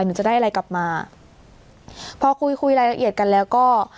หนูจะได้อะไรกลับมาพอคุยคุยรายละเอียดกันแล้วก็